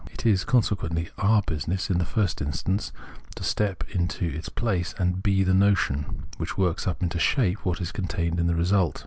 It is, consequently, our business in the first instance to step into its place and be the notion, which works up into shape what is contained in the result.